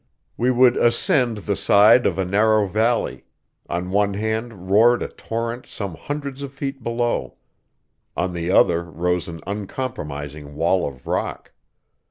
We would ascend the side of a narrow valley; on one hand roared a torrent some hundreds of feet below; on the other rose an uncompromising wall of rock.